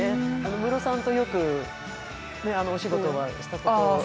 ムロさんとよくお仕事はしたことが？